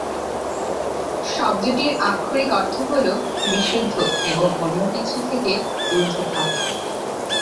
শব্দটির আক্ষরিক অর্থ হল "বিশুদ্ধ এবং অন্য কিছু থেকে ঊর্ধ্বে থাকা"।